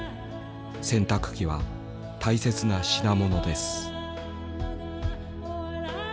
洗濯機は大切な品物です」。